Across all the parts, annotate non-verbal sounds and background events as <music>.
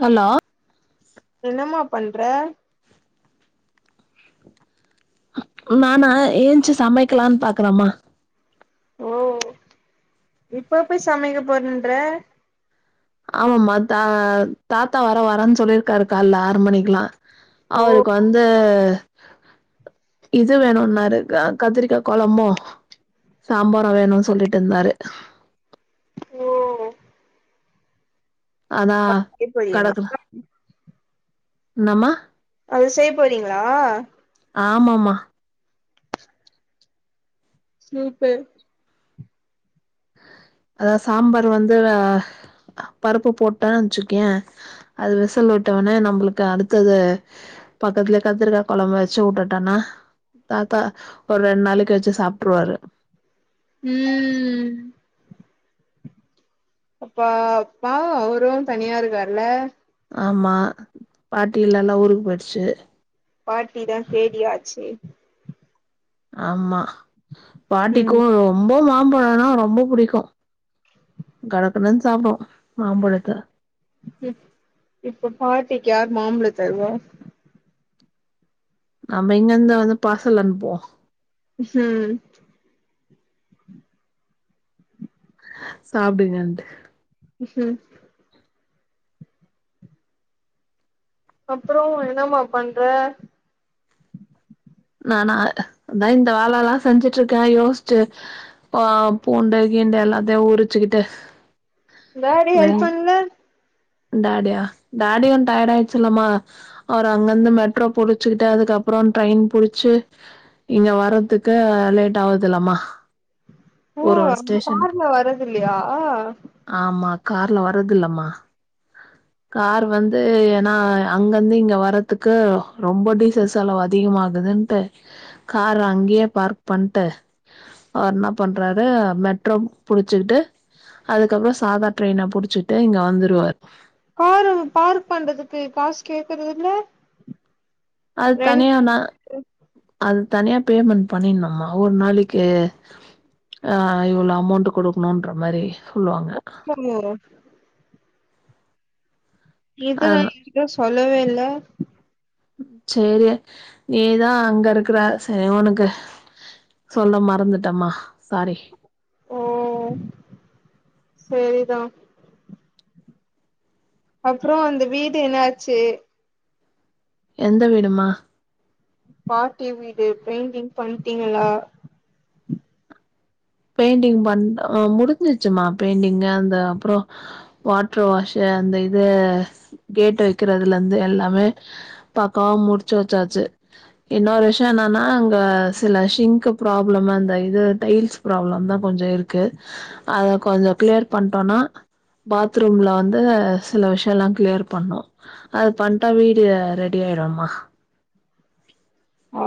hello என்னம்மா பண்ற மானா ஏன்ச்சு சமைக்லான் பாக்குறமா ஓ இப்ப போய் சமைக்க போறன்ற ஆமமா த தாத்தா வேர வரேன் சொல்லிர்க்காரு கால்ல ஆறு மணிக்லா ஓ அவுருக் வந்து இது வேணுன்னாரு க கத்துரிக்கா கொழம்பு சாம்பாரு வேணு சொல்லிட் இர்ந்தாரு ஓ அதா செய்ய போறீங்களா கடக்குல இன்னமா அது செய் போறீங்ளா ஆமமா சூப்பே அதாவ் சாம்பார் வந்து வ பருப்பு போட்ட வச்சுக்யே அது விசல் உட்டவனே நம்ப்ளுக்கு அடுத்தது பக்கத்லே கத்துருக்கா கொழம்ப வச்சு உட்டுட்டனா தாத்தா ஒரு ரெண் நாளக்கு வெச்சு சாப்ட்ருவாரு ம் அப்பா அப்பா அவரு தனியா இருக்கார்ல ஆமா பாட்டி இல்லல ஊருக் போயிற்ச்சு பாட்டிதா கேடி ஆச்சே ஆம்மா பாட்டிக்கோ ம் ம்போ மாம்பழம்னா ரொம்ப புடிக்கு கடக்கடன் சாப்டு மாம்பழத்த இப்ப பாட்டிக் யார் மாம்ப்ழ தருவா நம்ப இங்கந்து வந்து பாசல் அன்ப்புவோ ம் சாப்டுங்கன்ட்டு ம் அப்றோ என்னம்மா பண்ற நானா அதா இந்த வேலல்லா செஞ்சிட்டுருக்கே யோசிச்சு ஒ பூண்டு கிண்டு எல்லாதயு அதே ஊரிச்சிக்கிட்டு டாடி ஹெல்ப் பண்ல டாடியா டாடியு டயர்ட ஆயிடுச்சுல்ல மா அவர் அங்கிருந்து மெட்ரோ புடிச்சிட்டு அதுக்கப்புறோ ட்ரெயின் புடிச்சு ச இங்க வர்துக்கு லேட் ஆகுதுலமா ஓ கார்ல வர்ரதுல்லயா ஆமா கார்ல வர்ரதுல்லமா கார் வந்து ஏன்னா அங்கருந்து இங்க வரதுக்கு ரொம்ப டீசல்ஸ் செலவு அதிகமாகுது கார் அங்கேயே பார்க் பண்ட்டு அவர் என்ன பண்றாரு மெட்ரோ புடிச்சுக்கிட்டு அதுக்கப்றோ சாதா ட்ரெயின புடிச்சிட்டு இங்க வந்துருவாரு காரு பார்க் பண்றதுக்கு காசு கேக்குறதுல்ல அது தனியானா அது தனியா பேமெண்ட் பண்ணிணுமா ஒரு நாளைக்கு ஆ இவ்ளோ அமௌண்ட் குடுக்கணுன்ற மாரி சொல்லுவாங்க இதுலா அதனா ஏ கிட்ட சொல்லவே இல்ல சேரி நீதா அங்கருக்குற சேரி உனக்கு சொல்ல மறந்துட்டேமா சாரி ஓ சேரிதா அப்றோ அந்த வீடு என்னாச்சு எந்த வீடுமா பாட்டி வீடு பெயிண்டிங் பண்ட்டீங்ளா பெயிண்டிங் பண்ட் முடிஞ்சுச்சுமா பெயிண்டிங்கு அந்த அப்றோ வாட்டர் வாஷு அந்த இது கேட்டு வைக்றதுலருந்து எல்லாமே பக்காவா முடிச்சு‌ வச்சாச்சு இன்னொரு விஷயோ என்னனா அங்க சில ஷிங்க் ப்ராப்ளமு அ இந்த இது டைல்ஸ் ப்ராப்ளம்தா கொஞ்சோ இருக்கு அத கொஞ்சோ க்ளியர் பண்டோனா பாத்ரூம்ல வந்து சில விஷயோலா க்ளியர் பண்ணோ அது பண்ட்டா வீடு அ ரெடி ஆய்டுமா ஓ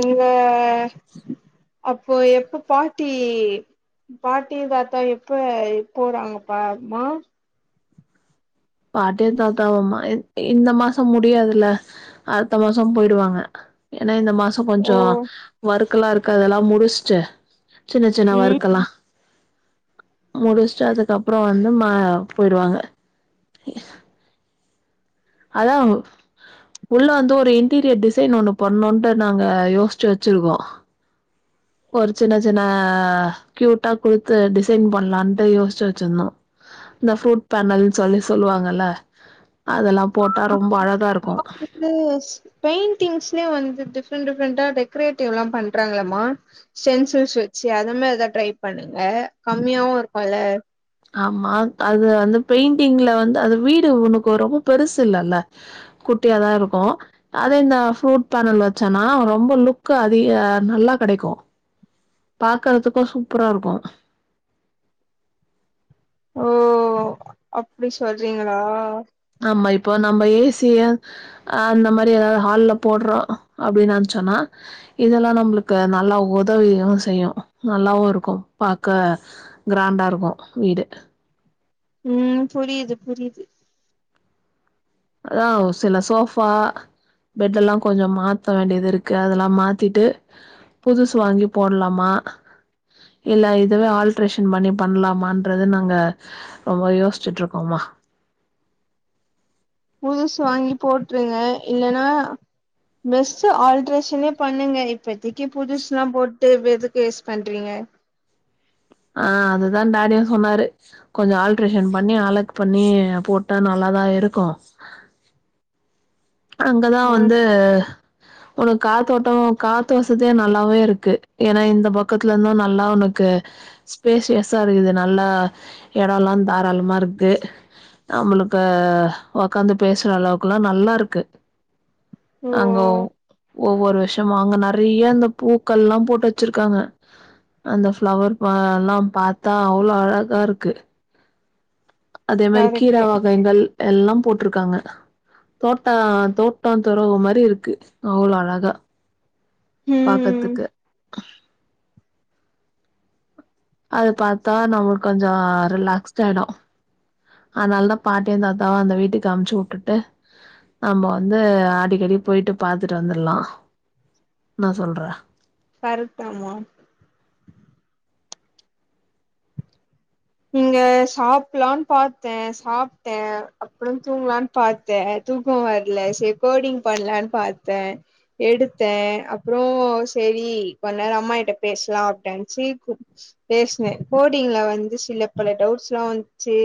இங்க அப்போ எப்போ பாட்டி பாட்டி தாத்தா எப்ப எப் போறாங்கப்பா மாம் பாட்டியு தாத்தாவும்மா இந்த மாசோ முடியாதுல அடுத்த மாசோ போய்டுவாங்க ஏனா இந்த மாசோ ஓ கொஞ்சோ ஒர்க்கல்லாருக்கு அதெல்லா முடிச்ஸ்ட்டு சின்ன சின்ன ம் ஒர்க்கல்லா முடிஸ்ட்டு அதுக்கப்றோ வந்து மா போய்டுவாங்க அதா உள்ள வந்து ஒரு இன்டீரியர் டிசைன் ஒண்ணு பண்ணுன்ட்டு நாங்க யோஸ்ச்சு வச்சிருக்கோ ஒரு சின்ன சின்ன க்யூட்டா குடுத்து டிசைன் பண்ணலான்ட்டு யோசிச்சு வச்சிருந்தோ இந்த ஃப்ரூட் பண்ணதுன் சொல்லி சொல்லுவாங்கல்ல அதெல்லா போட்டா ரொம்ப அழகா இருக் கோ நீயூஸ் பெயிண்டிங்ஸ்லே வந்து டிஃப்ரெண்ட் டிஃப்ரெண்டா டெக்கரேட்டிவ்ல்லா பண்றாங்களம்மா சென்சஸ் வெச்சு அத மாரி ஏதாத் ட்ரை பண்ணுங்க கம்மியாவு இருக்கோல்ல ஆமா கா அது வந்து பெயிண்டிங்ல வந்து அது வீடு உனக்கு ரொம்ப பெருசு இல்லல்ல குட்டியாதா இருக்கு அதே இந்த ஃப்ரூட் பேனல் வச்சேன்னா அவ ரொம்ப லுக் அதிக நல்லா கெடைக்கு பாக்கறதுக்கு சூப்பரா இருப்போ ஓ அப்புடி சொல்றீங்களா ஆமா இப்போ நம்ப ஏ சிய ஆ அந்த மாரி ஏதாவது ஹால்ல போட்றோ அப்புடின்னு அம்சோன்னா இதெல்லா நம்புளுக்கு நல்லா உதவியு செய்யு நல்லாவு இருக்கும் பாக்க கிராண்டா இருக்கும் வீடு ம் புரியுது புரியுது அதா சில சோஃபா பெட்டெல்லா கொஞ்ச மாத்த வேண்டியது இருக்கு அதெல்லா மாத்திட்டு புதுசு வாங்கி போட்லாமா இல்ல இதுவே ஆல்ட்ரேஷன் பண்ணி பண்லாமான்றது நாங்க ரொம்ப யோசிச்சுட்ருக்கோமா புதுசு வாங்கி போட்ருங்க இல்லன்னா பெஸ்ட்டு ஆல்ட்ரேஷனே பண்ணுங்க இப்பதிக்கி புதுசுலா போட்டு ப எதுக்கு வேஸ் பண்றீங்க ஆ அதுதா டேடியு சொன்னாரு கொஞ்ச ஆல்ட்ரேஷன் பண்ணி அழக் பண்ணி போட்டா நல்லாதா இருக்கு ஆ அங்கதா ம் வந்து உனக்கு காத்தோட்டோ காத்து வசதியு நல்லாவே இருக்கு ஏன்னா இந்த பக்கத்துல இருந்தூ நல்லா உனக் கு ஸ்பேசியஸா இருக்குது நல்லா எடோல்லா தாராளமா இருக்கு நம்முளுக்கு ஒக்காந்து பேசுற அளவுக்குல்லா நல்லா இருக்கு ஓ அங்க ஒவ்வொரு வருஷம அங்க நறைய இந்த பூக்கல்லா போட்டு வெச்சிருக்காங்க அந்த ஃப்ளவர் ப எல்லா பாத்தா அவ்ளோ அழகா இருக்கு உஹ <inaudible> அதே மாரி கீர வகைகள் எல்லா போட்ருக்காங்க டா தோட்டோ துறவு மாரி இருக்கு அவ்ளோ அழகா ம் பாக்கத்துக்கு அது பாத்தா நம்மளுக்கு கொஞ்சோ ரிலாக்ஸ்டா ஆயிடு அதனால தா பாட்டியு தாத்தாவு அந்த வீட்டுக்கு அமுச்சு உட்டுட்டு நம்போ வந்து அடிக்கடி போயிட்டு பாத்துட்டு வந்துர்லா னா சொல்றே கரெக்ட் தா மா இங்க சாப்புல்லான்னு பாத்தே சாப்ட்டே அப்புறோ தூங்குலான் பாத்தே தூக்கோ வர்ல செரி கோடிங் பண்லான் பாத்தே எடுத்தே அப்புறோ சேரி கொஞ்ச நேர அம்மா இட்ட பேசலா <unintelligible> பேசுனே கோடிங்ல வந்து சில பல டவுட்ஸ் ல்லா வந்ச்சி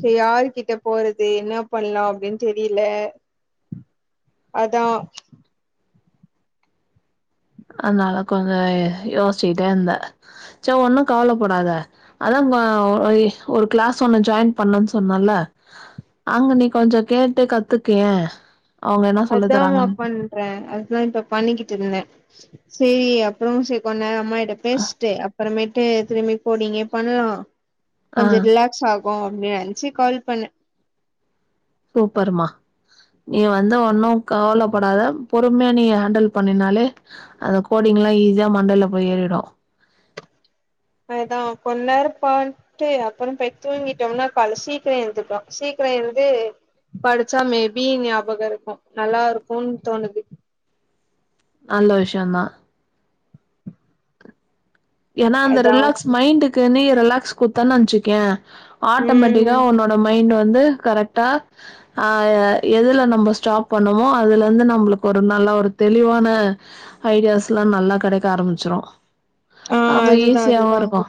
சரி யாரு கிட்ட போறது என்ன பண்லா அப்டின் தெரில அதா அதனால கொஞ்சோ யோசிச்சிட்டே இருந்தே சோ ஒண்ணு கவலப்படாத அதா ம்மா ஒரு ஒரு கிளாஸ் ஒண்ணு ஜாயின் பண்ணுன்சொன்னல்ல அங்க நீ கொஞ்ச கேட்டு கத்துக்கயே அவுங்க என்ன சொல்லி தராங்கன் ன் அதுதா இப்ப பண்ணிக்கிட்டு ருந்தே சரி அப்றோ செரி கொன் நேரோ அம்மாகிட்ட பேஸ்ட்டு அப்புறமேட்டு திரும்பி கோடிங்கே பண்லா ஆ கொஞ்சோ ரிலாக் சாகு அப்டி நெனச்சி கால் பண்ணெ சூப்பர்மா நீ வந்து ஒன்னு கவலப்படாத பொறுமயா நீ ஹேண்டில் பண்ணினாலே அந்த கோடிங் எல்லா ஈஸியா மண்டல்ல போய் ஏறிடு அதா கொஞ் நேரொ பாரு ட்டு அப்புறோ போய் தூங்கிட்டோம்னா கால சீக்ரொ எழுந்துட்டோ சீக்ரொ எழுந்து படிச்சா மேபி பி ஞாபக இருக்கு நல்லா இருக்குன்னு தோணுது நல்ல விஷ்யோந்தா ஏன்னா அந்த அதா ரிலாக்ஸ் மைண்டுக்கு நீ ரிலாக்ஸ் குத்தனு வச்சுக்கோயே ஆட்டோமேட்டிக்கா ம் உன்ன மைண்ட் வந்து கரெட்டா ஆ எதுல நம்ம ஸ்டாப் பண்ணோமோ அதுல இருந்து நம்மளுக்கு ஒரு நல்ல ஒரு தெளிவான ஐடியாஸ்ல்லா நல்லா கெடைக்க ஆரம்பிச்சிரு ஆ அப்போ அதுதா ஈஸியாவு அதுதா இருக்கு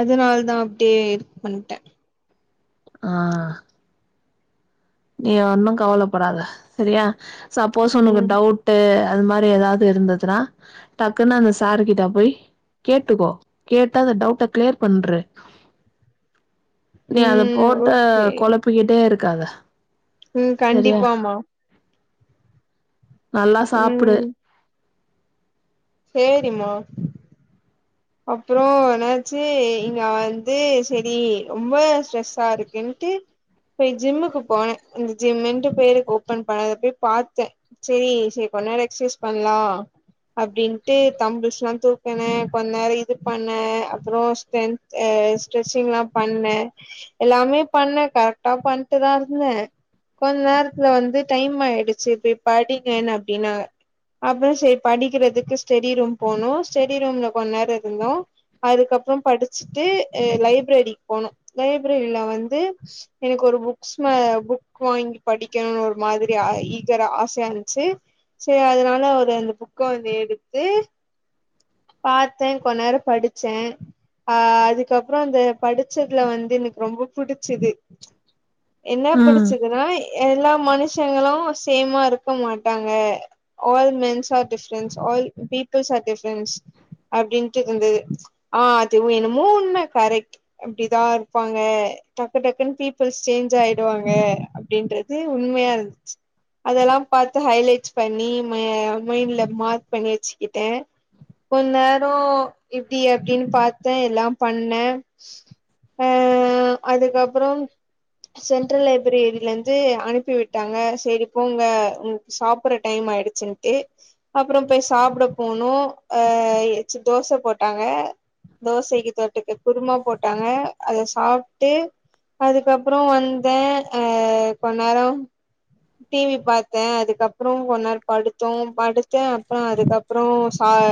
அதனால தா அப்டியே இது பண்ட்ட ஆ நீ ஒன்னு கவலப்படாத சரியா சப்போஸ் உனக்கு ம் டவுட் ட்டு அது மாரி ஏதாவது இருந்ததுன்னா டக்குன்னு அந்த சார் கிட்ட போய் கேட்டுக்கோ கேட்டு அந்த டவுட்ட கிளியர் பண்ரு நீ அத ம் போட்டு ஓகே கொலப்பிக்கிட்டே இருக்காத ம் சரியா கண்டிப்பாமா நல்லா சாப்புடு ம் சேரிம்மா அப்பொறோ என்னாச்சு இங்க வந்து செரி ரொம்ப ஸ்ட்ரெஸ்ஸா இருக்குன்ட்டு போய் ஜிம்முக்கு போன இந்த ஜிம்முன்டு பேருக்கு ஓப்பன் பண்ணத போய் பாத்த செரி சரி கொன்நேரோ எக்சைஸ் பண்லா அப்டின்ட்டு தம்புள்ஸ்ல்லா தூக்குன ந இது பண்ண அப்றோ ஸ்டென் ஸ்ட்ரெச்சிங்ல்லா பண்ண எல்லாமே பண்ண கரெக்டா பண்ட்டுதா இருந்த கொஞ் நேரத்துல வந்து டைம் ஆயிடுச்சு போய் படிங்கனாங் அப்டின்னாங்க அப்றோ செரி படிக்கிறதுக்கு ஸ்டடி ரூம் போனோ ஸ்டடி ரூம்ல கொன் நேரோ இருந்தோ அதுக்கப்றோ படிச்சுட்டு அ லைப்ரரிக் போனோ லைப்ரரில வந்து எனக்கு ஒரு புக்ஸ ம புக் வாங்கி படிக்கணுனு ஒரு மாதிரி ஈகர ஆசயாந்ச்சு செரி அதனால ஒரு அந்த புக்க வந்து எடுத்து பாத்தே கொன்நேரோ படிச்சே அ அதுக்கப்றோ அந்த படிச்சதுல வந்து எனக்கு ரொம்ப புடிச்சது என்ன ம் புடிச்சதுன்னா எல்லா மனுஷங்களு சேமா இருக்க மாட்டாங்க all mens are difference peoples are difference அப்டின்ட்டு இருந்தது ஆ அதுவு என்னமோ உண்ம கரெட் அப்டிதா ருபாங்க டக்கு டக்குன்னு பீப்பிள்ஸ் சேஞ்ச் ஆயிடுவாங்க அப்டின்றது உண்மயா ருந்துச்சு அதெல்லா பாத்து ஹைலைட்ஸ் பண்ணி மைண்ட்ல மார்க் பண்ணி வச்சுக்கிட்டே கொன் நேரோ இப்டி அப்டின் பாத்தே எல்லா பண்ணே ஆ அதுக்கப்றோ சென்ட்ரல் லைப்ரெரில இருந்து அனுப்பி விட்டாங்க செரி போங்க சாப்ட்ற டைம் ஆயிடுச்சுன்ட்டு அப்புறோ போய் சாப்ட போனோ அ எச் தோச போட்டாங்க தோசக்கீ தொட்டுக்க குருமா போட்டாங்க அத சாப்ட்டு அதுக்கப்றோ வந்தே அ கொன் நேரோ டிவி பாத்தே அதுகப்றோ கொன்னெரு படுத் த்தோ படுத்தே அப்றோ அதுக்கப்புறோ சாய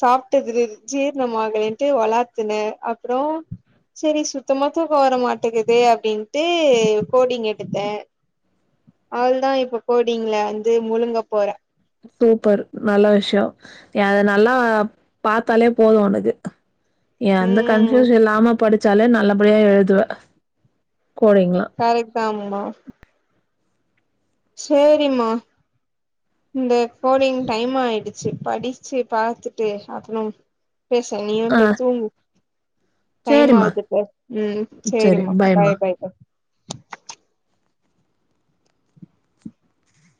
சாப்ட்டது ஜீர்ணமாகலேன்ட்டு ஒளாத்துனே அப்றோ சேரி சுத்தமா தூக்கோ வர மாட்டேங்குது அப்டின்ட்டு கோடிங் எடுத்தே அவள் தான் இப்ப கோடிங்கள வந்து முழுங்க போறே சூப்பர் நல்ல விஷ்யோ நீ அத நல்லா பாத்தாலே போதும் ஒனக்கு நீ அந்த ம் கன்ஃபியூஷன் இல்லாம படுச்சாலே நல்லபடியா எழுதுவ கோடிங்ளா தயிர் தாம்மா சேரிம்மா இந்தே கோடிங் டைம் ஆயிடுச்சு படிச்சு பாத்துட்டு அப்றம் பேச நீயும் ஆ போய் தூங்கு டைம் சேரிம்மா ஆகுதுப்ல ம் சேரி சேரிம்மா பாய்மா பாய் பாய்